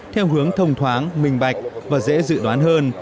theo hướng thông thoáng minh bạch và dễ dự đoán hơn